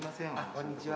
こんにちは。